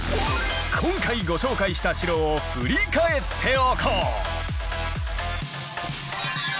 今回ご紹介した城を振り返っておこう。